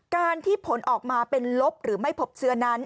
การที่ผลออกมาเป็นลบหรือไม่พบเชื้อนั้น